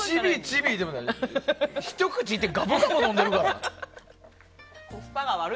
ひと口いってガブガブ飲んでるから。